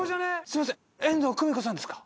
すみません遠藤久美子さんですか？